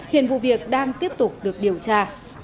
hiện vụ việc đang tiếp tục được điều tra